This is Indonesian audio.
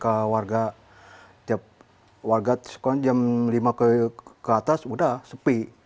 ke warga tiap warga sekolah jam lima ke atas udah sepi